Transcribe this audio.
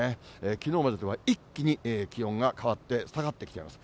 きのうまでとは一気に気温が変わって、下がってきています。